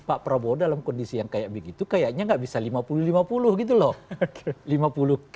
pak prabowo dalam kondisi yang kayak begitu kayaknya nggak bisa lima puluh lima puluh gitu loh